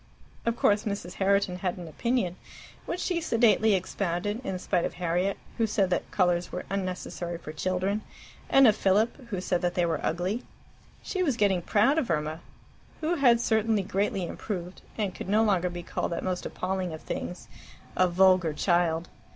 Of course Mrs. Herriton had an opinion, which she sedately expounded, in spite of Harriet, who said that colours were unnecessary for children, and of Philip, who said that they were ugly. She was getting proud of Irma, who had certainly greatly improved, and could no longer be called that most appalling of things a vulgar child.